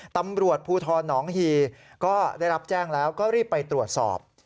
ตำรวจภูทรหนองฮีก็ได้รับแจ้งแล้วก็รีบไปตรวจสอบ